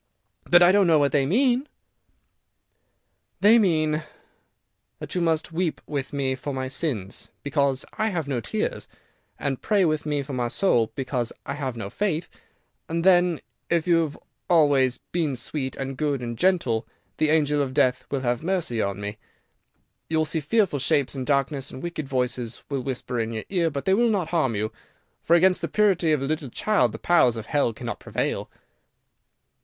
"But I don't know what they mean." "They mean," he said, sadly, "that you must weep with me for my sins, because I have no tears, and pray with me for my soul, because I have no faith, and then, if you have always been sweet, and good, and gentle, the angel of death will have mercy on me. You will see fearful shapes in darkness, and wicked voices will whisper in your ear, but they will not harm you, for against the purity of a little child the powers of Hell cannot prevail."